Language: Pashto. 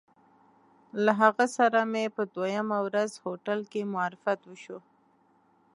له هغه سره مې په دویمه ورځ هوټل کې معرفت وشو.